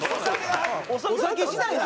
お酒次第なの？